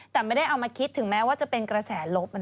แต่ไม่ได้เอามาคิดถึงแม้ว่าจะเป็นกระแสลบ